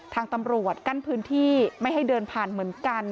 ทางตำรวจกั้นพื้นที่ไม่ให้เดินผ่านเหมือนกัน